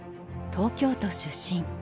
東京都出身。